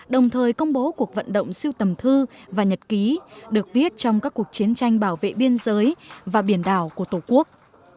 đồng thời công bố cuộc vận động siêu tầm thư và nhật ký được viết trong các cuộc chiến tranh bảo vệ biên giới và biển đảo của tổ quốc